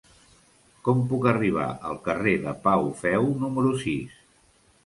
Com puc arribar al carrer de Pau Feu número sis?